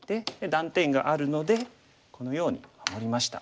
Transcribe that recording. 断点があるのでこのように守りました。